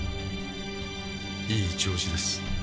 いい調子です。